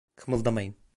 Kımıldamayın.